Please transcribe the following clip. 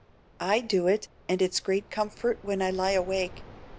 "I do it, and it's a great comfort when I lie awake.